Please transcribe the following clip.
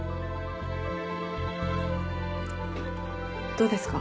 どうですか？